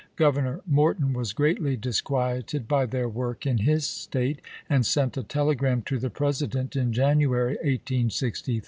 Governor Morton was greatly disquieted by their work in his State, Morton and sent a telegi'am to the President in January, jan/s^Ases!